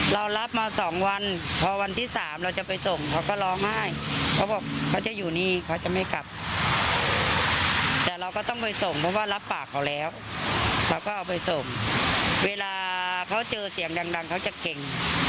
เราก็เอาไปสวมเวลาเขาเจอเสียงดังเขาจะเก่ง